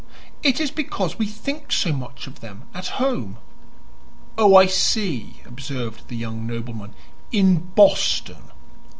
It is because we think so much of them at home." "Oh, I see," observed the young nobleman. "In Boston."